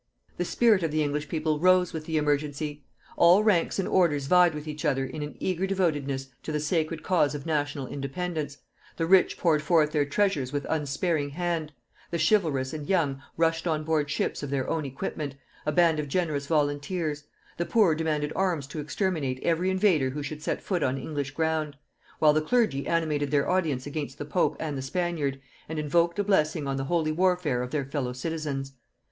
The spirit of the English people rose with the emergency. All ranks and orders vied with each other in an eager devotedness to the sacred cause of national independence; the rich poured forth their treasures with unsparing hand; the chivalrous and young rushed on board ships of their own equipment, a band of generous volunteers; the poor demanded arms to exterminate every invader who should set foot on English ground; while the clergy animated their audience against the Pope and the Spaniard, and invoked a blessing on the holy warfare of their fellow citizens.